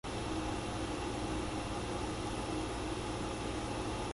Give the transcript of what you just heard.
隣の客はよくかき食う客だ